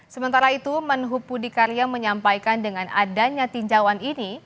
sementara itu menhub budi karya menyampaikan dengan adanya tinjauan ini